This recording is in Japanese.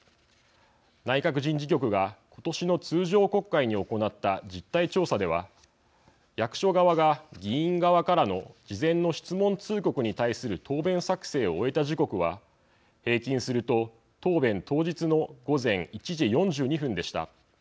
内閣人事局が今年の通常国会に行った実態調査では、役所側が議員側からの事前の質問通告に対する答弁作成を終えた時刻は平均すると、答弁当日の午前１時４２分でした。